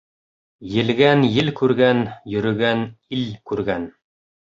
Елгән ел күргән, йөрөгән ил күргән.